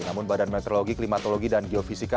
namun badan meteorologi klimatologi dan geofisika